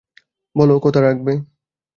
বলো, কথা রাখবে।